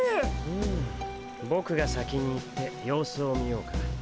うんボクが先に行って様子を見ようか？